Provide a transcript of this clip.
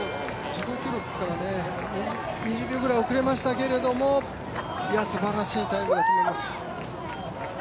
自己記録から２０秒ぐらい遅れましたけどすばらしいタイムだと思います。